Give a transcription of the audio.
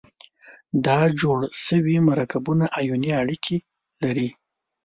دا جوړ شوي مرکبونه آیوني اړیکې لري.